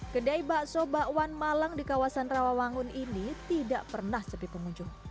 kedai bakso bakwan malang di kawasan rawangun ini tidak pernah sepi pengunjung